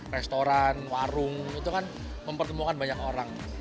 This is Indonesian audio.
restoran warung itu kan mempertemukan banyak orang